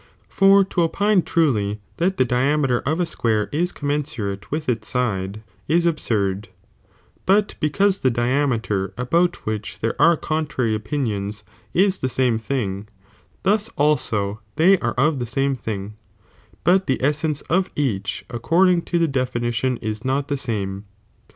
For to opine truly that the diameter of a square is commensurate with its side, is ab ^ surd, but because the diameter about which there are (con , Irary) opinions is the same thing, thus also they are of the samo thing, but the essence of each according to the deBnition ' is not the same.'